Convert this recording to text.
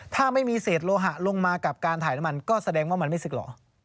ถ้าไม่มีเศษโลหะลงมากับการถ่ายน้ำมันก็แสดงว่ามันไม่ศึกเหรอ